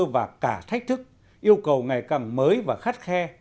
và cả thách thức yêu cầu ngày càng mới và khắt khe